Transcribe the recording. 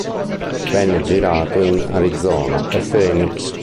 Venne girato in Arizona, a Phoenix.